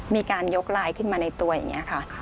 มีการยกลายขึ้นมาในตัวอย่างนี้ค่ะ